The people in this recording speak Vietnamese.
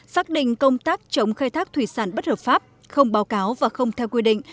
xác định công tác chống khai thác thủy sản bất hợp pháp không báo cáo và không theo quy định